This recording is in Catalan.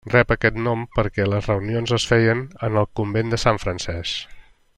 Rep aquest nom perquè les reunions es feien en el Convent de Sant Francesc.